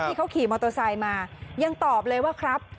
ที่เขาขี่มอเตอร์ไซค์มายังตอบเลยว่าครับ